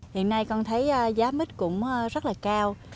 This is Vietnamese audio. hiện nay con thấy giá mít cũng rất là cao